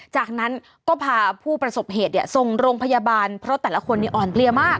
จากนั้นก็พาผู้ประสบเหตุส่งโรงพยาบาลเพราะแต่ละคนอ่อนเพลียมาก